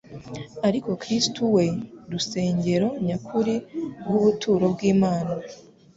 ariko Kristo, we rusengero nyakuri rw’ubuturo bw’Imana,